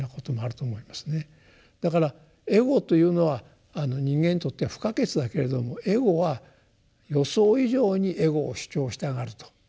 だからエゴというのは人間にとっては不可欠だけれどもエゴは予想以上にエゴを主張したがると。